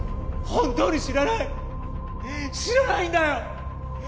本当に知らない知らないんだよ